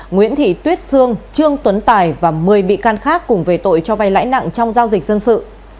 nguyễn thị tuyết sương trương tuấn tài và một mươi bị can khác cùng về tội cho vay lãi nặng trong giao dịch dân sự